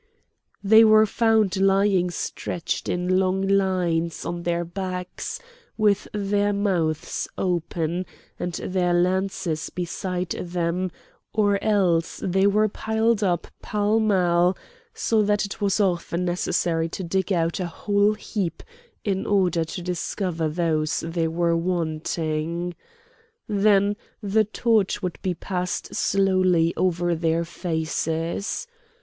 They were found lying stretched in long lines, on their backs, with their mouths open, and their lances beside them; or else they were piled up pell mell so that it was often necessary to dig out a whole heap in order to discover those they were wanting. Then the torch would be passed slowly over their faces.